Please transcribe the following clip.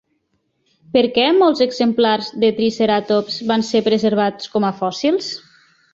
Per què molts exemplars de triceratops van ser preservats com a fòssils?